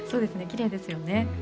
きれいですよね。